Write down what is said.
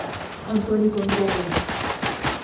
Antônio Gomes Araújo